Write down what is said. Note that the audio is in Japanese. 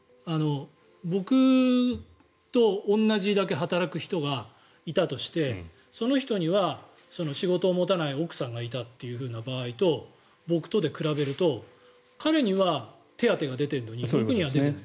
僕と同じだけ働く人がいたとしてその人には仕事を持たない奥さんがいたという場合と僕とで比べると彼には手当が出てるのに僕には出ていない。